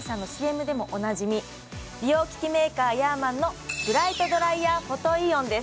美容機器メーカーヤーマンのブライトドライヤーフォトイオンです